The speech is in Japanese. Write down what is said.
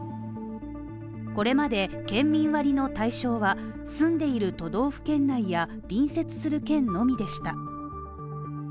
これまで県民割の対象は、住んでいる都道府県内や隣接する県のみでした。